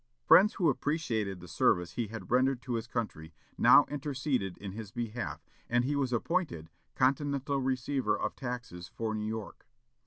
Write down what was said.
Friends who appreciated the service he had rendered to his country now interceded in his behalf, and he was appointed Continental receiver of taxes for New York.